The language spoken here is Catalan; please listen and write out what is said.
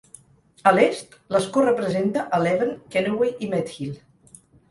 A l'est, l'escó representa a Leven, Kennoway i Methil.